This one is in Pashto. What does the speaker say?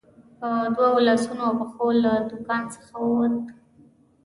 په دوو لاسو او پښو له دوکان څخه ووت.